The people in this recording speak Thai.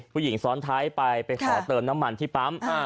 ผู้หญิงซ้อนท้ายไปไปขอเติมน้ำมันที่ปั๊ม